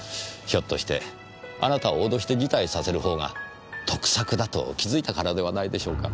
ひょっとしてあなたを脅して辞退させるほうが得策だと気づいたからではないでしょうか。